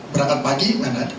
berangkat pagi menat